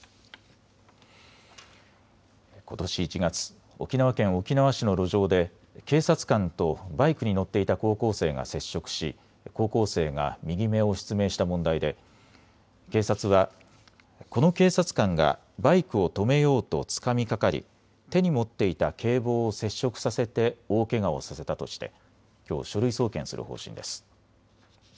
ことし１月、沖縄県沖縄市の路上で警察官とバイクに乗っていた高校生が接触し高校生が右目を失明した問題で警察はこの警察官がバイクを止めようとつかみかかり手に持っていた警棒を接触させて大けがをさせたとしてきょう、書類送検する方針です。